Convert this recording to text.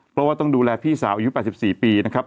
เพราะว่าต้องดูแลพี่สาวอายุ๘๔ปีนะครับ